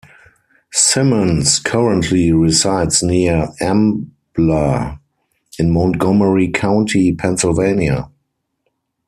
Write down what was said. Simmons currently resides near Ambler in Montgomery County, Pennsylvania.